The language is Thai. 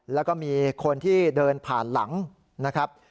แล้วก็มีคนที่เดินผ่านหลังนะครับ